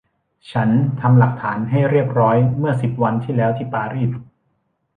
ฉันทำหลักฐานให้เรียบร้อยเมื่อสิบวันที่แล้วที่ปารีส